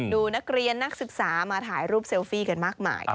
ดูนักเรียนนักศึกษามาถ่ายรูปเซลฟี่กันมากมาย